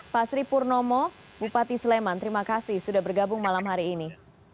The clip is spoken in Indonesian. pak sri purnomo bupati sleman terima kasih sudah bergabung malam hari ini